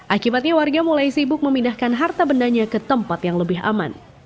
akibatnya warga mulai sibuk memindahkan harta bendanya ke tempat yang lebih aman